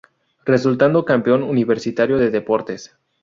Resultando campeón Universitario de Deportes.